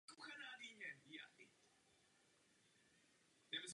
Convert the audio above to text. Uvádí se též jako starosta Žiliny.